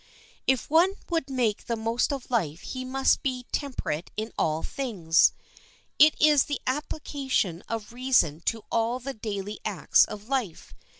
If one would make the most of life he must be temperate in all things. It is the application of reason to all the daily acts of life.